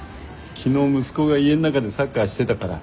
昨日息子が家の中でサッカーしてたから。